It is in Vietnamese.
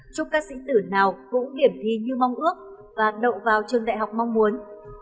chúc các sĩ tử nào cũng điểm thi như mong ước và đậu vào trường đại học mong muốn